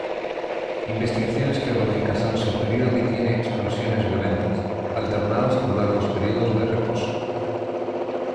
Investigaciones geológicas han sugerido que tiene explosiones violentas, alternadas con largos períodos de reposo.